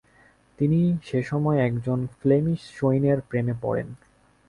তিনি সেসময় একজন ফ্লেমিশ সৈনের প্রেমে পরেন।